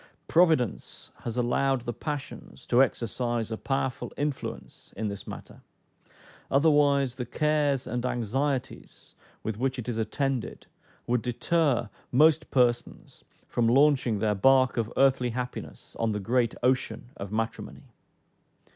Providence has allowed the passions to exercise a powerful influence in this matter, otherwise the cares and anxieties with which it is attended would deter most persons from launching their bark of earthly happiness on the great ocean of matrimony.